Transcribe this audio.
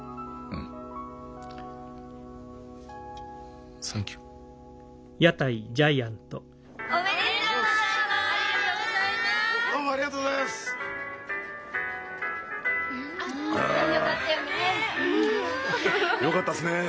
うん！よかったっすねえ。